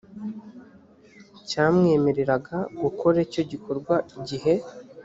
cyamwemereraga gukora icyo gikorwa igihe